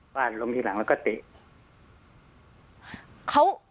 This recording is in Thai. ป้านลงทีหลังแล้วก็เตะ